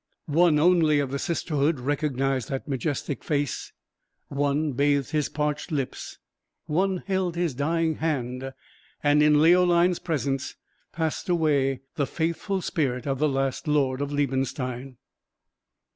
One only of the sisterhood recognized that majestic face; one bathed his parched lips; one held his dying hand; and in Leoline's presence passed away the faithful spirit of the last lord of Liebenstein!